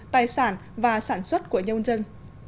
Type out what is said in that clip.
tài sản và sản xuất của nhông dân